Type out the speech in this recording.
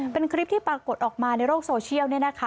เป็นคลิปที่ปรากฏออกมาในโลกโซเชียลเนี่ยนะคะ